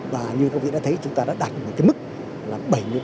và như các bạn đã thấy chúng ta đã đạt một cái mức là bảy mươi ba bảy ba